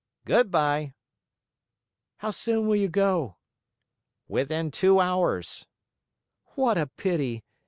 "Good by." "How soon will you go?" "Within two hours." "What a pity!